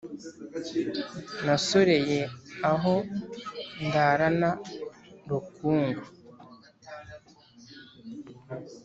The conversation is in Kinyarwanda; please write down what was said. Nasoreye aho ndarana rukungu !